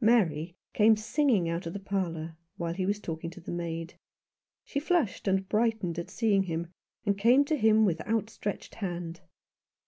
Mary came singing out of the parlour, while he was talking to the maid. She flushed and brightened at seeing him, and came to him with outstretched hand.